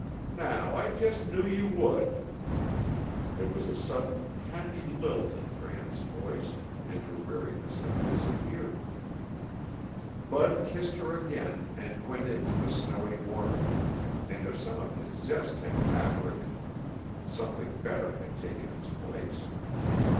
"Now I just knew you would!" There was a sudden, happy lilt in Gram's voice and her weariness had disappeared. Bud kissed her again and went into the snowy morning, and if some of his zest had evaporated, something better had taken its place.